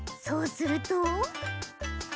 そうすると？